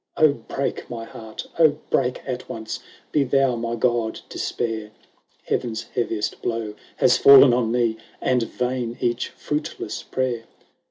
" O break, my heart, O break at once ! Be thou my god, Despair ! Heaven's heaviest blow has fallen on me, And vain each fruitless prayer."